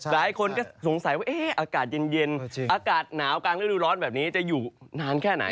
หลายคนก็สงสัยว่าอากาศเย็นอากาศหนาวกลางฤดูร้อนแบบนี้จะอยู่นานแค่ไหน